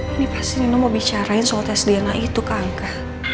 ini pasti nino mau bicarain soal tes dna itu kang kak